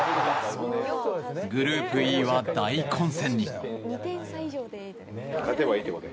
グループＥは大混戦に。